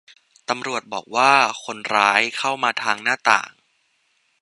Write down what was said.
ตำรวจบอกว่า คนร้ายเข้ามาทางหน้าต่าง